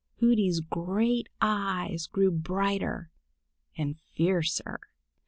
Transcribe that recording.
Hooty's great eyes grew brighter and fiercer.